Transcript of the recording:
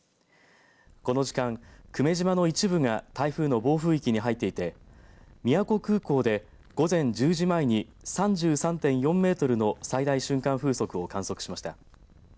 この時間、久米島の一部が台風の暴風域に入っていて宮古空港で午前１０時前に３３．４メートルの最大瞬間風速を観測しました。